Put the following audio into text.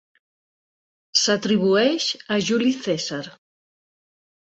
S'atribueix a Juli Cèsar.